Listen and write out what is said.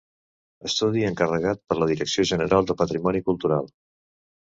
Estudi encarregat per la Direcció General del Patrimoni Cultural.